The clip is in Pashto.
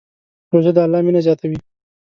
روژه د الله مینه زیاتوي.